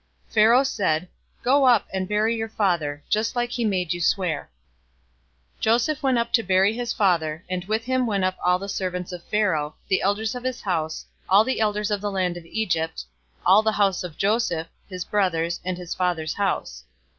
'" 050:006 Pharaoh said, "Go up, and bury your father, just like he made you swear." 050:007 Joseph went up to bury his father; and with him went up all the servants of Pharaoh, the elders of his house, all the elders of the land of Egypt, 050:008 all the house of Joseph, his brothers, and his father's house.